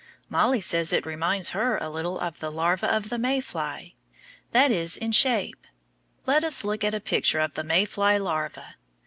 Mollie says it reminds her a little of the larva of the May fly; that is, in shape. Let us look at a picture of the May fly larva.